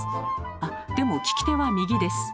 あっでも利き手は右です。